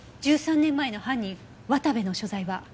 １３年前の犯人渡部の所在は？